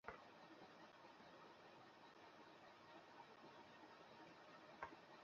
বধ্যভূমির পাশে থাকা পরিত্যক্ত খাদ্যগুদাম ভেঙে সেখানে গুদাম নির্মাণ করা সম্ভব।